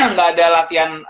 nggak ada latihan